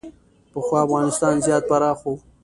پخوا افغانستان زیات پراخ و